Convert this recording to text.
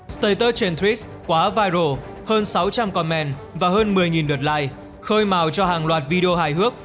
status trên tris quá viral hơn sáu trăm linh comment và hơn một mươi lượt like khơi màu cho hàng loạt video hài hước